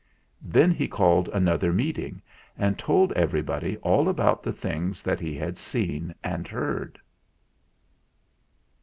' Then he called another Meeting and told everybody all about the things that he had seen and heard.